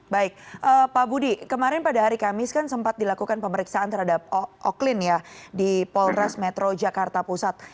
baik pak budi kemarin pada hari kamis kan sempat dilakukan pemeriksaan terhadap oklin ya di polres metro jakarta pusat